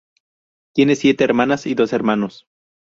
Tiene siete hermanas y dos hermanos.